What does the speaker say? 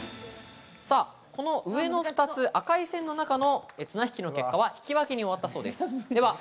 この上の２つ、赤い線の中の綱引きの結果は引き分けに終わったそうです。